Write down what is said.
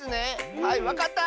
はいわかった！